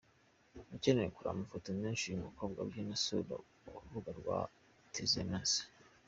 Ukeneye kureba amafoto menshi uyu mukobwa abyina asure urubuga rwa tmz.